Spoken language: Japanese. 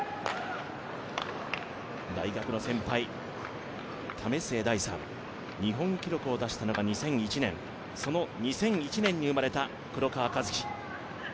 大学の先輩、為末大さん、日本記録を出したのが２００１年その２００１年に生まれた黒川和樹。